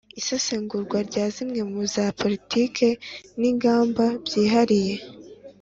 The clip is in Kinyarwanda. isesengura rya zimwe muri za politiki n'ingamba byihariye